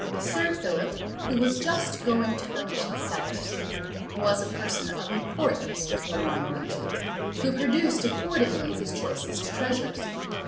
Sir Philip, who was just going to furnish his cellars, was a person of importance to the wine merchant, who produced accordingly his choicest treasures.